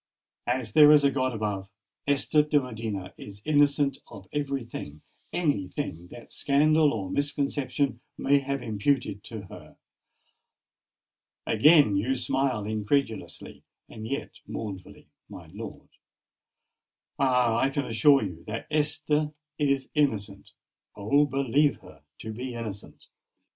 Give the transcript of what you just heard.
As there is a God above, Esther de Medina is innocent of every thing—any thing that scandal or misconception may have imputed to her. Again you smile incredulously—and yet mournfully, my lord! Ah! I can assure you, that Esther is innocent—oh! believe her to be innocent!"